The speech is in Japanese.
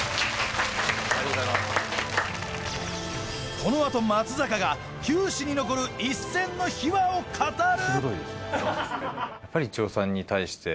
この後松坂が球史に残る一戦の秘話を語る！